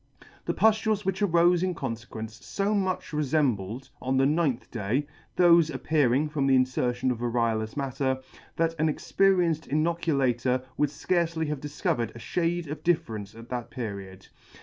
The puftules which arofe in confequence, fo much refembled, on the ninth day, thofe appearing from the infertion of variolous matter, that an experienced Inoculator would fcarcely have difcovered a fhade of difference at that period.